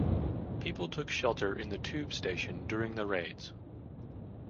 People took shelter in the tube station during the raids.